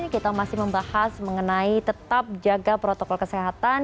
kita masih membahas mengenai tetap jaga protokol kesehatan